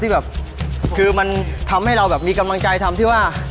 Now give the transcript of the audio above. แบบคือมันทำให้เราแบบมีกำลังใจทำที่ว่า